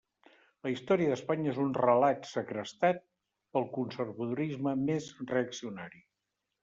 La història d'Espanya és un relat segrestat pel conservadorisme més reaccionari.